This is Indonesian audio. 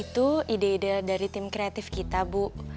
itu ide ide dari tim kreatif kita bu